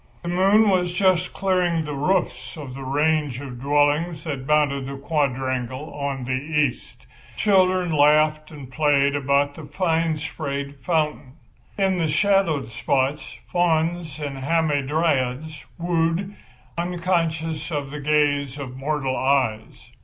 The moon was just clearing the roofs of the range of dwellings that bounded the quadrangle on the east. Children laughed and played about the fine sprayed fountain. In the shadowed spots fauns and hamadryads wooed, unconscious of the gaze of mortal eyes.